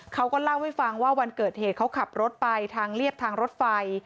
เขาก็เล่าให้ฟังว่าวันเกิดเหตุเขาขับรถไปทางเรียบทางรถไฟ